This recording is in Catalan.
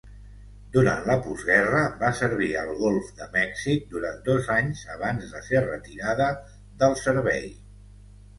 Durant la postguerra, va servir al golf de Mèxic durant dos anys abans de ser retirada del servei.